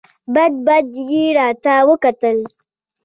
بد بد یې راته وکتل !